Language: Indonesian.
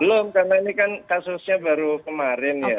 belum karena ini kan kasusnya baru kemarin ya